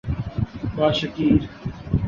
Bashkir